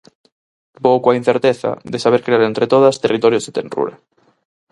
Vou coa incerteza de saber crear entre todas territorios de tenrura.